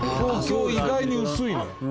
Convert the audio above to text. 意外に薄いのよ。